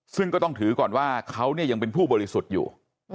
ซึ่งก็ต้องถือก่อนว่าเขายังเป็นผู้บริสุทธิ์อยู่